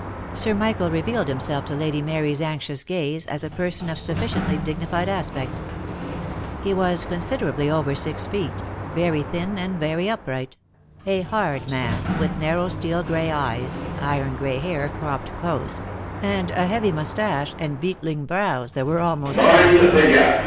Sir Michael revealed himself to Lady Mary's anxious gaze as a person of sufficiently dignified aspect. He was considerably over six feet, very thin, and very upright; a hard man, with narrow steel grey eyes, iron grey hair cropped close, and a heavy moustache and beetling brows that were almost black.